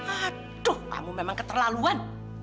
aduh kamu memang keterlaluan